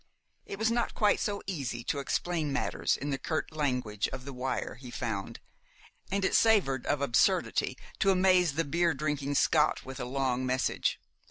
It was not quite so easy to explain matters in the curt language of the wire, he found, and it savored of absurdity to amaze the beer drinking Scot with a long message.